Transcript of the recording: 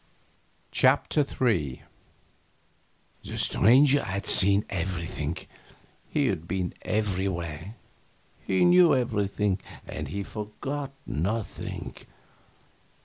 CHAPTER III The Stranger had seen everything, he had been everywhere, he knew everything, and he forgot nothing.